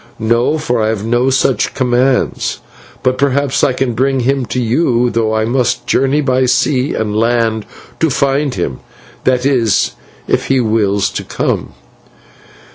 "'No, for I have no such commands; but perhaps I can bring him to you, though I must journey by sea and land to find him that is, if he wills to come.